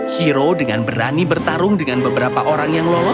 hero dengan berani bertarung dengan beberapa orang yang lolos